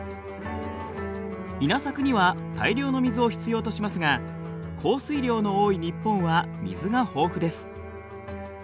稲作には大量の水を必要としますが降水量の多い日本は水が豊富です。